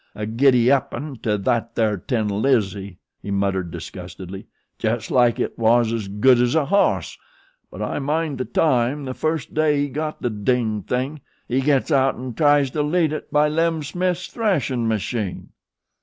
"A gidappin' to that there tin lizzie," he muttered disgustedly, "jes' like it was as good as a hoss. But I mind the time, the fust day he got the dinged thing, he gets out an' tries to lead it by Lem Smith's threshin' machine."